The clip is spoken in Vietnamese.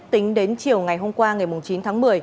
tính đến chiều ngày hôm qua ngày chín tháng một mươi